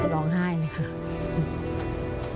ร้องไห้เลยค่ะ